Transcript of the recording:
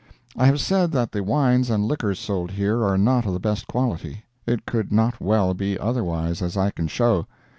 I have said that the wines and liquors sold here are not of the best quality. It could not well be otherwise, as I can show.